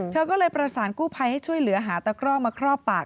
เธอก็เลยประสานกู้ภัยให้ช่วยเหลือหาตะกร่อมาครอบปาก